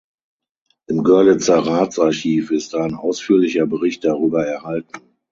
Im Görlitzer Ratsarchiv ist ein ausführlicher Bericht darüber erhalten.